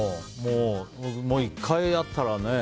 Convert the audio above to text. もう、１回会ったらね